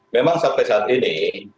memang sampai saat ini